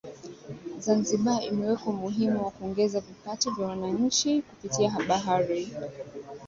Zanzibar imeweka umuhimu wa kuongeza vipato vya wananchi kupitia bahari